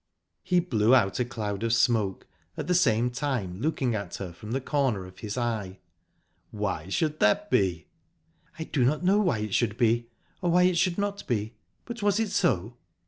He blew out a cloud of smoke, at the same time looking at her from the corner of his eye. "Why should that be?" "I don't know why it should be, or why it should not be; but was it so?"